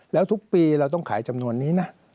แล้วทุกปีเราต้องขายจำนวนนี้นะ